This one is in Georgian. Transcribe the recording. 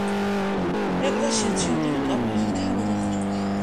ეკლესია ცილინდრული კამარითაა გადახურული.